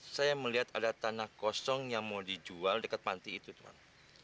saya melihat ada tanah kosong yang mau dijual dekat panti itu tuhan